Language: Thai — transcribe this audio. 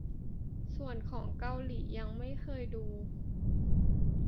ส่วนของเกาหลียังไม่เคยดู